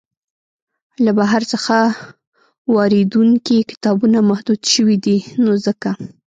له بهر څخه واریدیدونکي کتابونه محدود شوي دی نو ځکه.